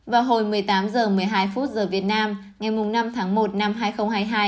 vào hồi một mươi tám h một mươi hai phút giờ việt nam ngày năm tháng một năm hai nghìn hai mươi hai